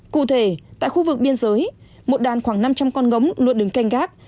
cụ thể tại khu vực biên giới một đàn khoảng năm trăm linh con ngống luôn đứng canh gác